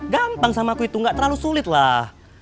gampang sama aku itu gak terlalu sulit lah